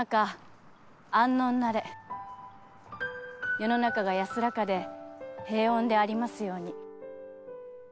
世のなかが安らかで平穏でありますように。